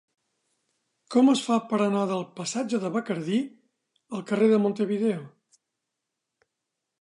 Com es fa per anar del passatge de Bacardí al carrer de Montevideo?